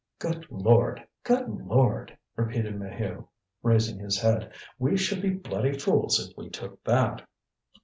"Good Lord! Good Lord!" repeated Maheu, raising his head. "We should be bloody fools if we took that."